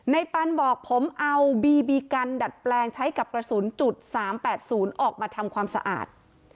ปันบอกผมเอาบีบีกันดัดแปลงใช้กับกระสุนจุด๓๘๐ออกมาทำความสะอาด